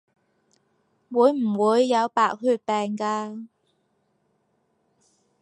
會唔會有白血病㗎？